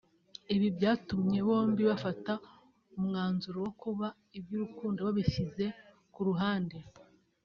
ibi byatumye bombi bafata umwanzuro wo kuba iby’urukundo babishyize ku ruhande